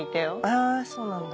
えそうなんだ。